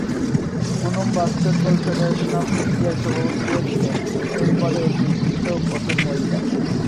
Poonam basketball federation of ইন্ডিয়ার সভাপতিও ছিলেন, তিনি এই পদে অধিষ্ঠিত প্রথম মহিলা।